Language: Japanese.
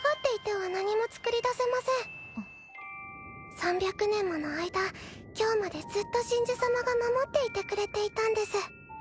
３００年もの間今日までずっと神樹様が守っていてくれていたんです。